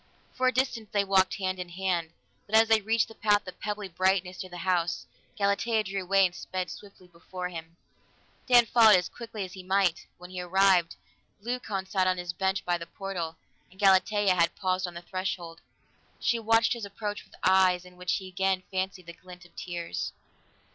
For a distance they walked hand in hand, but as they reached the path of pebbly brightness near the house, Galatea drew away and sped swiftly before him. Dan followed as quickly as he might; when he arrived, Leucon sat on his bench by the portal, and Galatea had paused on the threshold. She watched his approach with eyes in which he again fancied the glint of tears.